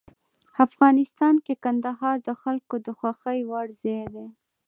افغانستان کې کندهار د خلکو د خوښې وړ ځای دی.